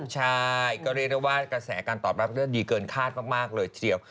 ใช่ก็เรียกได้ว่ากระแสการตอบรับดีเกินคาดมากเลยทีเดียว